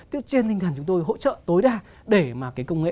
tiêu chiên tinh thần chúng tôi hỗ trợ tối đa để mà cái công nghệ